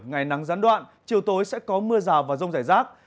ngày nắng gián đoạn chiều tối sẽ có mưa rào và rông rải rác